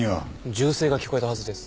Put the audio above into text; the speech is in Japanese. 銃声が聞こえたはずです。